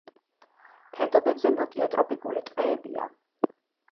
ფერდობებზე ნოტიო ტროპიკული ტყეებია.